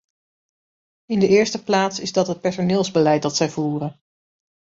In de eerste plaats is dat het personeelsbeleid dat zij voeren.